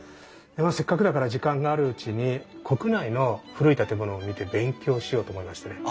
せっかくだから時間があるうちに国内の古い建物を見て勉強しようと思いましてね。